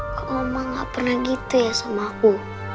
kok mama gak pernah gitu ya sama aku